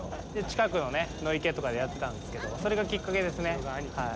近くの池とかでやってたんですけど、それがきっかけですね。